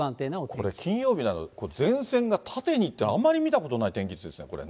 これ、金曜日、前線が縦にって、あまり見たことない天気図ですね、これね。